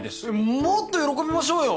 もっと喜びましょうよ！